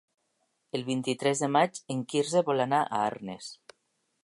El vint-i-tres de maig en Quirze vol anar a Arnes.